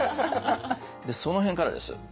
その辺からです。